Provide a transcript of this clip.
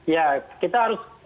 ya kita harus lihat